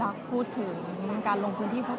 และที่อยู่ด้านหลังคุณยิ่งรักนะคะก็คือนางสาวคัตยาสวัสดีผลนะคะ